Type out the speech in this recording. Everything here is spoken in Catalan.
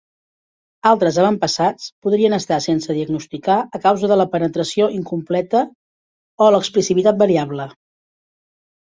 Altres avantpassats podrien estar sense diagnosticar a causa de la penetració incompleta o l'expressivitat variable.